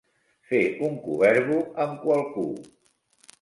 Fer un coverbo amb qualcú.